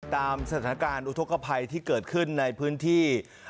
ตามสถานการณ์อุทธกภัยที่เกิดขึ้นในพื้นที่